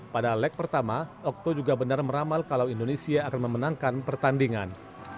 pada leg pertama okto juga benar meramal kalau indonesia akan memenangkan pertandingan